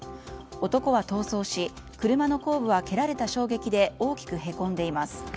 男は逃走し、車の後部は蹴られた衝撃で大きくへこんでいます。